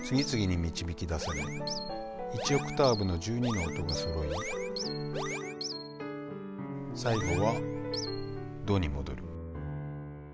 １オクターブの１２の音がそろい最後は「ド」に戻る。